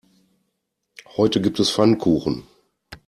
Heute gibt es Pfannkuchen.